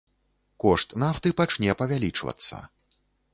Кошт нафты пачне павялічвацца.